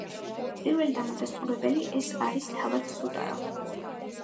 პირველი დამადასტურებელი ეს არის თავად სუდარა.